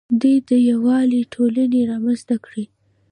دوی د یووالي ټولنې رامنځته کړې